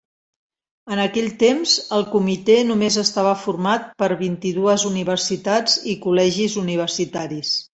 En aquell temps, el comitè només estava format per vint-i-dues universitats i col·legis universitaris.